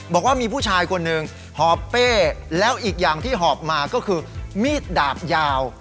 บอกว่ามีผู้ชายคนหนึ่งหอบเป้แล้วอีกอย่างที่หอบมาก็คือมีดดาบยาว